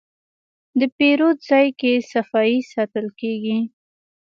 د پیرود ځای کې صفایي ساتل کېږي.